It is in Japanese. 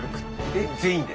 えっ全員で？